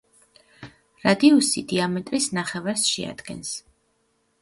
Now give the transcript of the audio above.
რადიუსი დიამეტრის ნახევარს შეადგენს.